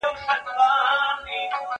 زه اجازه لرم چې کار وکړم؟!